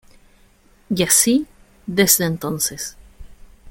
Y así, desde entonces.